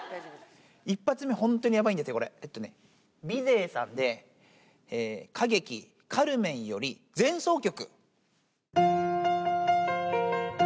一発目本当にやばいんですよ、これ、だってね、ビゼーさんで歌劇カルメンより、前奏曲。